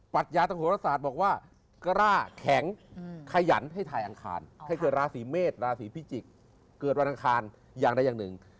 ปัญญาทางโหรศาสตร์บอกว่ากล้าแข็งขยันให้ถ่ายอังคารให้เกิดราศีเมษราศีพิจิกษ์เกิดวันอังคารอย่างใดอย่างหนึ่ง